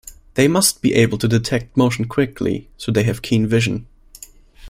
They must be able to detect motion quickly, so they have keen vision.